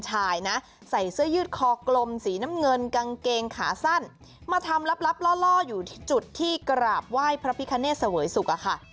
กางเกงขาสั้นมาทำลับล่ออยู่ที่จุดที่กระหลาบไหว้พระพิฆาเนศเสวยสุขค่ะ